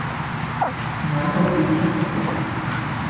Nói không tin thì không phải